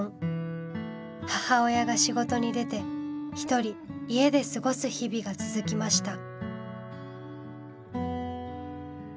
母親が仕事に出て一人家で過ごす日々が続きました。